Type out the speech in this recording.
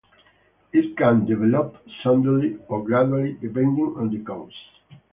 It can develop suddenly or gradually, depending on the cause.